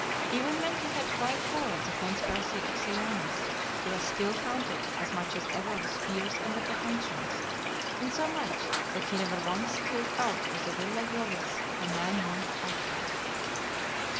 Even when he had quite foiled the conspiracy of Sejanus, he was still haunted as much as ever with fears and apprehensions, insomuch that he never once stirred out of the Villa Jovis for nine months after.